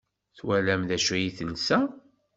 Twalam d acu i telsa?